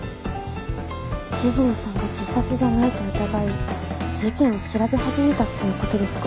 静野さんが自殺じゃないと疑い事件を調べ始めたっていう事ですか？